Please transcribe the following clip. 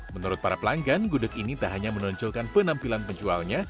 menurut para pelanggan gudeg ini tak hanya menonjolkan penampilan penjualnya